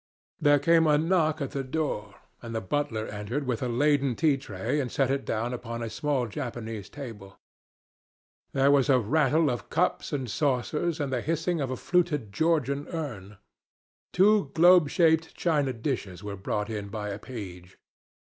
There came a knock at the door, and the butler entered with a laden tea tray and set it down upon a small Japanese table. There was a rattle of cups and saucers and the hissing of a fluted Georgian urn. Two globe shaped china dishes were brought in by a page.